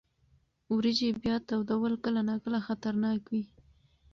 وریجې بیا تودول کله ناکله خطرناک وي.